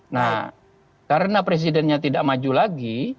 nah karena presidennya tidak maju lagi